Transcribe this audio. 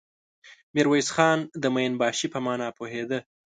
ميرويس خان د مين باشي په مانا پوهېده.